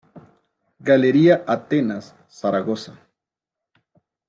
Galería Atenas, Zaragoza.